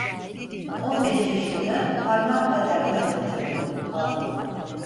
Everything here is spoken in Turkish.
On beş yaşında, parmak kadar kızı kaçırdın, aldın…